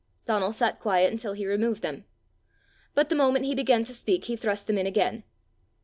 Donal sat quiet until he removed them. But the moment he began to speak he thrust them in again.